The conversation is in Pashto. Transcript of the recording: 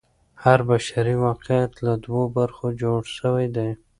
هر بشري واقعیت له دوو برخو جوړ سوی دی.